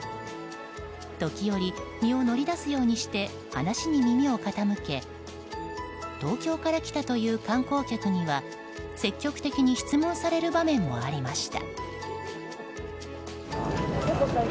時折、身を乗り出すようにして話に耳を傾け東京から来たという観光客には積極的に質問される場面もありました。